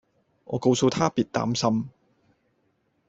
我告訴她別擔心